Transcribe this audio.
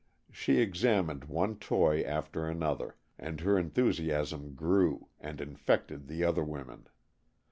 She examined one toy after another, and her enthusiasm grew, and infected the other women.